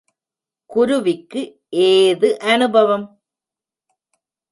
குருவிக்கு ஏது அனுபவம்?